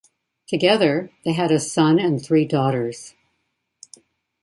Together, they had a son and three daughters.